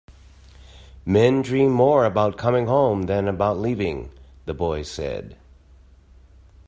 "Men dream more about coming home than about leaving," the boy said.